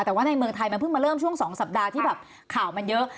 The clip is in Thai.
แต่ว่าในเมืองไทยมันเพิ่งมาเริ่มช่วง๒สัปดาห์ที่แบบข่าวมันเยอะ